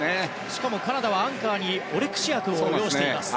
しかもカナダはアンカーにオレクシアクを擁しています。